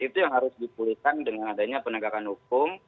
itu yang harus dipulihkan dengan adanya penegakan hukum